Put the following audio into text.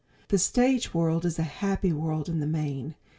The stage world is a happy world in the main.